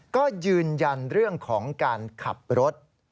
ก็ยืนยันเรื่องของการขับรถ